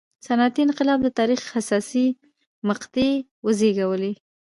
صنعتي انقلاب د تاریخ حساسې مقطعې وزېږولې.